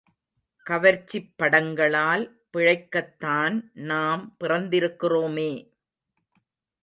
கவர்ச்சிப் படங்களால் பிழைக்கத்தான் நாம் பிறந்திருக்கிறோமே!